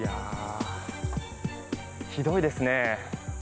ひどいですね。